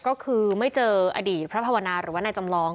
ก็คือไม่เจออดีตพระภาวนาหรือว่านายจำลอง